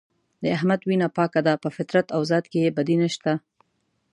د احمد وینه پاکه ده په فطرت او ذات کې یې بدي نشته.